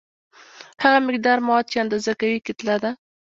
هغه مقدار مواد چې اندازه کوي کتله ده.